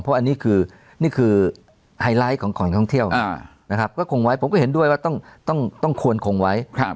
เพราะอันนี้คือไฮไลท์ของท่องเที่ยวผมก็เห็นด้วยว่าต้องควรคงไว้